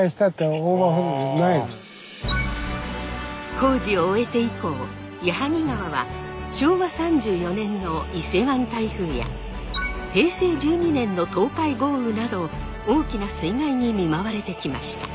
工事を終えて以降矢作川は昭和３４年の伊勢湾台風や平成１２年の東海豪雨など大きな水害に見舞われてきました。